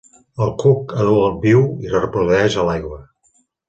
El cuc adult viu i es reprodueix a l'aigua.